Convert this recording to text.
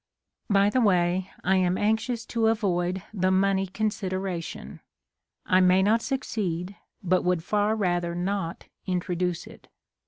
By the way, I am anxious to avoid the money consideration. I may not succeed, but would far rather not introduce it.